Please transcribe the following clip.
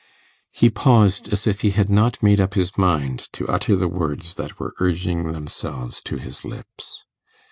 He paused, as if he had not made up his mind to utter the words that were urging themselves to his lips.